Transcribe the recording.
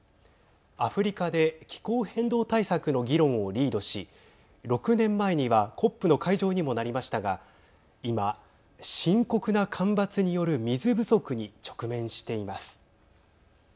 アフリカで気候変動対策の議論をリードし６年前にはＣＯＰの会場にもなりましたが今、深刻な干ばつによる水不足に直面しています。